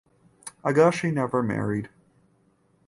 Agashe never married.